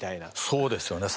そうですよね。